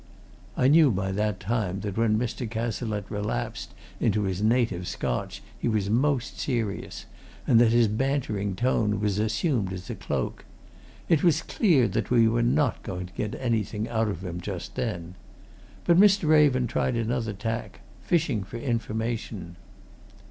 I knew by that time that when Mr. Cazalette relapsed into his native Scotch he was most serious, and that his bantering tone was assumed as a cloak. It was clear that we were not going to get anything out of him just then. But Mr. Raven tried another tack, fishing for information.